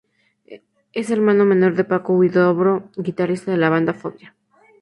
Es hermano menor de Paco Huidobro, guitarrista de la banda Fobia.